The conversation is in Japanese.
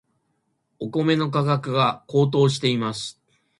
お米の価格が高騰しています。